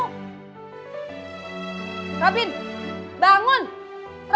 masa depan saya juga sudah terkena kecewa